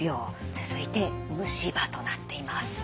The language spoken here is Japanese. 続いて虫歯となっています。